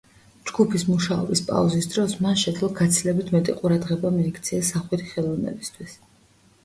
ჯგუფის მუშაობის პაუზის დროს, მან შეძლო გაცილებით მეტი ყურადღება მიექცია სახვითი ხელოვნებისთვის.